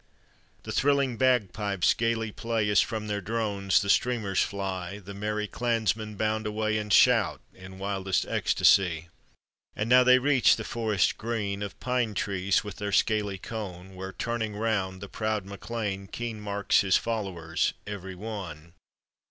The thrilling bagpipes gayly play As from their drones the streamers fly, The merry clansmen bound away And shout in wildest ecstacy. And now they reach the forest green Of pine trees with their scaly cone, Where turning round the proud MacLean Keen marks his followers every one.